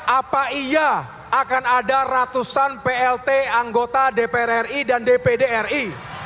apa iya akan ada ratusan plt anggota dpr ri dan dpd ri